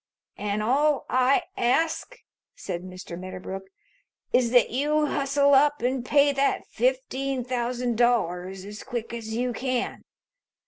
"And all I ask," said Mr. Medderbrook, "is that you hustle up and pay that fifteen thousand dollars as quick as you can.